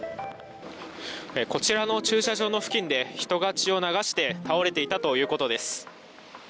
こちらの駐車場の付近で、人が血を流して倒れていたということです。